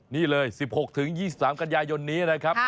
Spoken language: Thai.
นี่เลย๑๖๒๓กันยายนนี้นะครับ